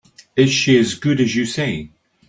Is she as good as you say?